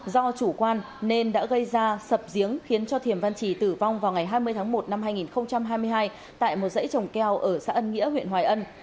do chủ quan nên đã gây ra sập giếng khiến thiềm văn trì tử vong vào ngày hai mươi tháng một năm hai nghìn hai mươi hai tại một dãy trồng keo ở xã ân nghĩa huyện hoài ân